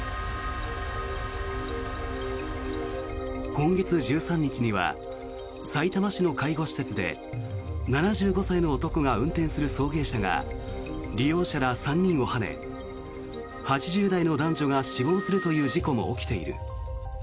今月１３日にはさいたま市の介護施設で７５歳の男が運転する送迎車が利用者ら３人をはね８０代の男女が死亡するという事故も起きている。